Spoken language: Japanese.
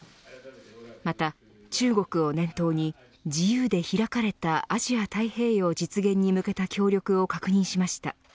また、中国を念頭に自由で開かれたアジア太平洋実現に向けた協力を確認しました。